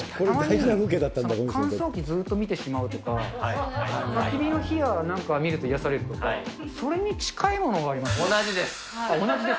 たまに乾燥機ずっと見てしまうとか、たき火の火やなんかを見ると、癒やされるとか、それに近いもの同じです。